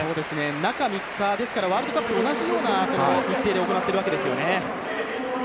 中３日ですからワールドカップと同じような日程で行っているわけですね。